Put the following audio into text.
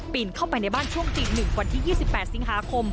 ปีนเข้าไปในบ้านช่วงติดหนึ่งวันที่๒๘สิงหาคม